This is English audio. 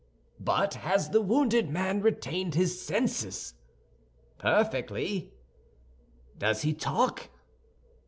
"But has the wounded man retained his senses?" "Perfectly." "Does he talk?"